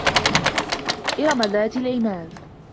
إِرَمَ ذاتِ العِمادِ